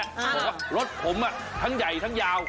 บอกว่ารถผมทั้งใหญ่ทั้งยาว